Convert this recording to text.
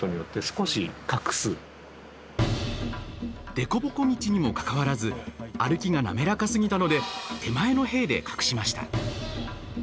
凸凹道にもかかわらず歩きが滑らかすぎたので手前の兵で隠しました。